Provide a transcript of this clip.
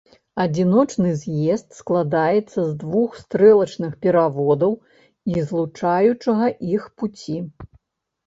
Адзіночны з'езд складаецца з двух стрэлачных пераводаў і злучаючага іх пуці.